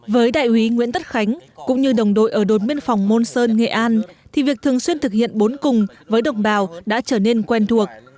với đại úy nguyễn tất khánh cũng như đồng đội ở đồn biên phòng môn sơn nghệ an thì việc thường xuyên thực hiện bốn cùng với đồng bào đã trở nên quen thuộc